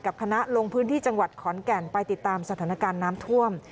คณะลงพื้นที่จังหวัดขอนแก่นไปติดตามสถานการณ์น้ำท่วม